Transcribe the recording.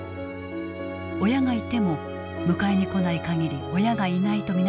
親がいても迎えに来ない限り親がいないと見なされてしまう。